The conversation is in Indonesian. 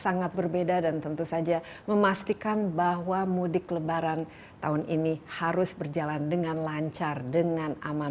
sangat berbeda dan tentu saja memastikan bahwa mudik lebaran tahun ini harus berjalan dengan lancar dengan aman